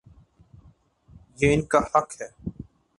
یہ ان کا حق ہے۔